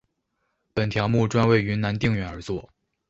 本条目专为云南定远而作。